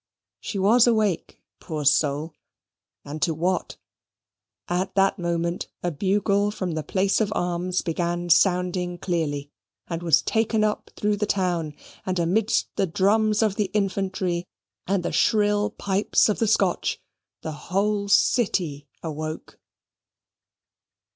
She was awake, poor soul, and to what? At that moment a bugle from the Place of Arms began sounding clearly, and was taken up through the town; and amidst the drums of the infantry, and the shrill pipes of the Scotch, the whole city awoke.